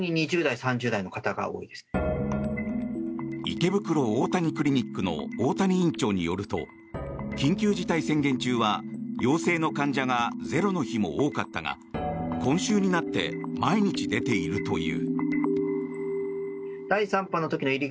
池袋大谷クリニックの大谷院長によると緊急事態宣言中は陽性の患者がゼロの日も多かったが今週になって毎日出ているという。